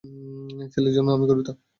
ছেলের জন্য আমি গর্বিত।